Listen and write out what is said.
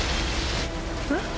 えっ？